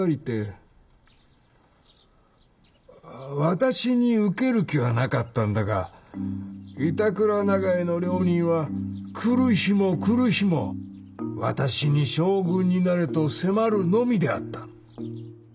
私に受ける気はなかったんだが板倉永井の両人は来る日も来る日も私に将軍になれと迫るのみであった。